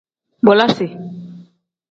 Bolosiv.